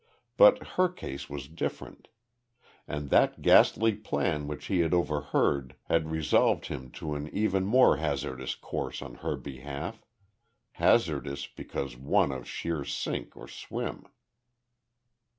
But her case was different. And that ghastly plan which he had overheard had resolved him to an even more hazardous course on her behalf hazardous because one of sheer sink or swim.